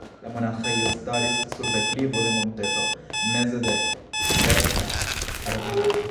La monaĥejo staris sur deklivo de monteto, meze de kverka arbaro.